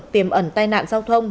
tiềm ẩn tai nạn giao thông